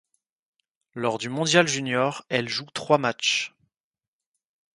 Lors du mondial junior, elle joue trois matchs.